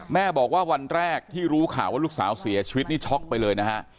แม่บอกว่าวันแรกที่รู้ข่าวว่าลูกสาวเสียชีวิตนี่ช็อกไปเลยนะฮะ